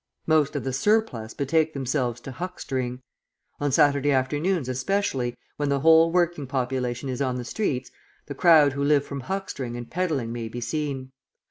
Most of the "surplus" betake themselves to huckstering. On Saturday afternoons, especially, when the whole working population is on the streets, the crowd who live from huckstering and peddling may be seen.